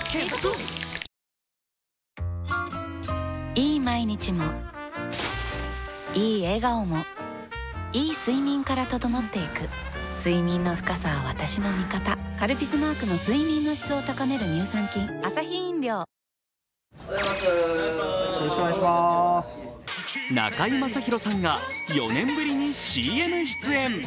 いい毎日もいい笑顔もいい睡眠から整っていく睡眠の深さは私の味方「カルピス」マークの睡眠の質を高める乳酸菌中居正広さんが４年ぶりにＣＭ出演。